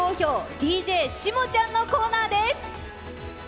ＤＪシモちゃんのコーナーです。